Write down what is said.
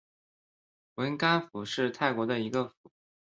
汶干府是泰国的一个府。